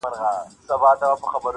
مغزونه کوچ سي قلم یې وچ سي -